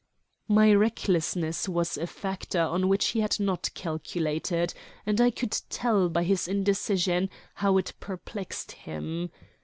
My recklessness was a factor on which he had not calculated, and I could tell by his indecision how it perplexed him.